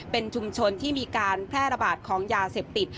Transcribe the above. เป็นชุมชนที่มีการแพร่ระบาดของยาเสพติด